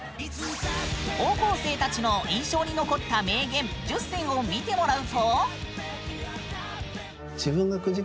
高校生たちの印象に残った名言１０選を見てもらうと。